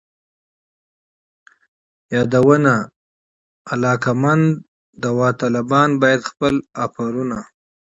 یادونه: علاقمند داوطلبان باید خپل آفرونه